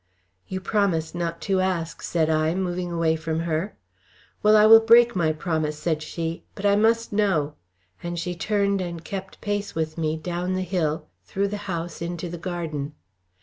"You promised not to ask," said I, moving away from her. "Well, I break my promise," said she. "But I must know," and she turned and kept pace with me, down the hill, through the house into the garden.